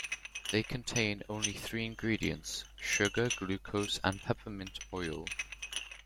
They contain only three ingredients: sugar, glucose, and peppermint oil.